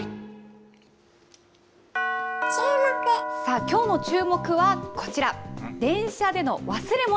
さあ、きょうのチューモク！はこちら、電車での忘れ物。